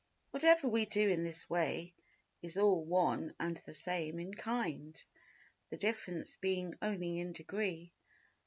Whatever we do in this way is all one and the same in kind—the difference being only in degree.